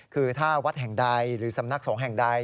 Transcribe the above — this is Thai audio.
คือถ้าวัดแห่งใดหรือสำนักสงฆ์แห่งใด